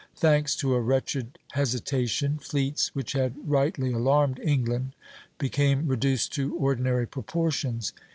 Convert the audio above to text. Thanks to a wretched hesitation, fleets, which had rightly alarmed England, became reduced to ordinary proportions.